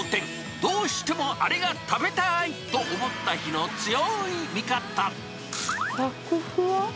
どうしてもあれが食べたいと思った日の強いさくふわ！